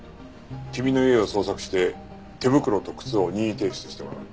君の家を捜索して手袋と靴を任意提出してもらう。